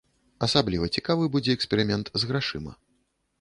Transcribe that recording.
Асабліва цікавы будзе эксперымент з грашыма.